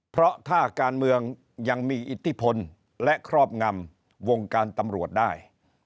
เพราะถ้าการเมืองยังมีอิทธิพลและครอบงำวงการตำรวจได้